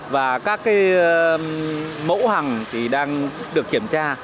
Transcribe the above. và các mẫu hàng thì đang được kiểm tra